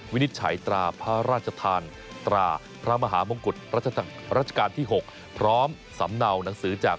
วินิจฉัยตราพระราชทานตราพระมหามงกุฎรัชกาลที่๖พร้อมสำเนาหนังสือจาก